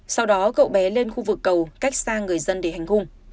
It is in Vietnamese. sau đó cậu bé lên khu vực cầu cách xa người dân để hành hung